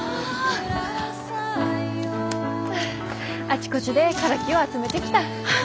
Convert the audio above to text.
あちこちでカラキを集めてきた。